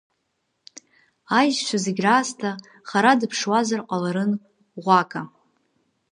Аишьцәа зегьы раасҭа хара дыԥшуазар ҟаларын Ӷәака.